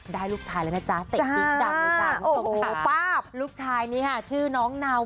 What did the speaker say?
ได้ลูกชายแล้วนะจ๊ะเตะปิ๊กด่วนเลยจ้า